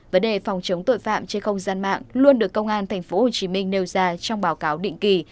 vấn đề phòng chống tội phạm trên không gian mạng luôn được công an tp hcm nêu ra trong báo cáo định kỳ